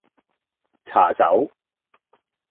茶走